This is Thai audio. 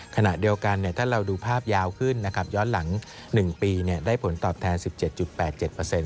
ขณะเดียวกันถ้าเราดูภาพยาวขึ้นนะครับย้อนหลัง๑ปีได้ผลตอบแทน๑๗๘๗